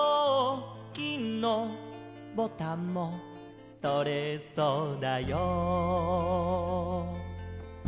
「金のボタンもとれそうだよ」